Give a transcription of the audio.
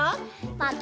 また。